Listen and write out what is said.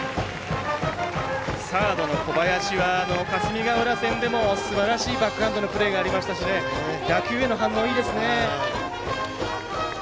サードの小林は霞ヶ浦戦でもすばらしいバックハンドのプレーがありましたし打球への反応いいですね。